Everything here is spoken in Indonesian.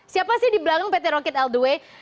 siapa sih di belakang pt rocket all the way